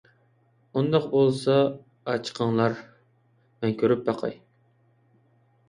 ئۇنداق بولسا ئاچىقىڭلار، مەن كۆرۈپ باقاي.